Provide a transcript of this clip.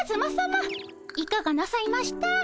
いかがなさいました？